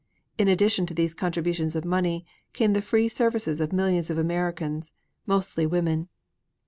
In addition to these contributions of money, came the free services of millions of Americans, mostly women.